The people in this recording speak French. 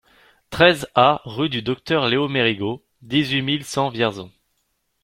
treize A rue du Docteur Léo Mérigot, dix-huit mille cent Vierzon